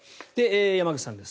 山口さんです。